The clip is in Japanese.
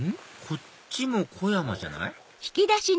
こっちもコヤマじゃない？